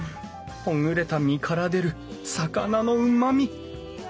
ほぐれた身から出る魚のうまみ！